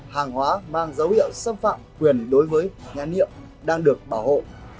hàng hóa mang dấu hiệu xâm phạm quyền đối với nhãn hiệu đang được bảo hộ